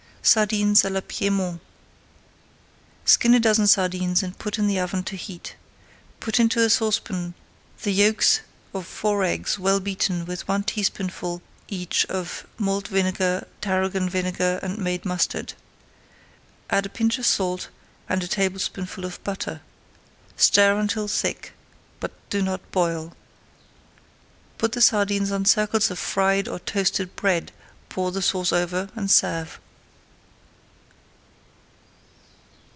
SARDINES À LA PIEDMONT Skin a dozen sardines and put in the oven to heat. Put into a saucepan the yolks of four eggs well beaten with one teaspoonful each of malt vinegar, tarragon vinegar, and made mustard. Add a pinch of salt, and a tablespoonful of butter. Stir until thick, [Page 317] but do not boil. Put the sardines on circles of fried or toasted bread, pour the sauce over, and serve.